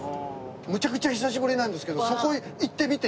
むちゃくちゃ久しぶりなんですけどもちろんです！